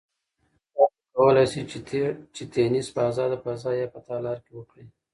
تاسو کولای شئ چې تېنس په ازاده فضا یا په تالار کې وکړئ.